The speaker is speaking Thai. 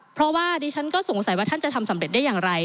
เพราะว่าดิฉันก็สงสัยว่าท่านจะทำสำเร็จได้อย่างไร